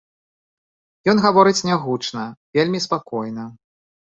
Ён гаворыць нягучна, вельмі спакойна.